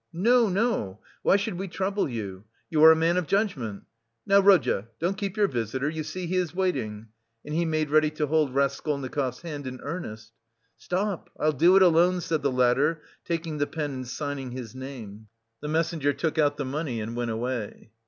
"No, no. Why should we trouble you? You are a man of judgment.... Now, Rodya, don't keep your visitor, you see he is waiting," and he made ready to hold Raskolnikov's hand in earnest. "Stop, I'll do it alone," said the latter, taking the pen and signing his name. The messenger took out the money and went away.